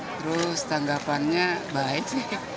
terus tanggapannya baik